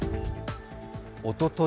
おととい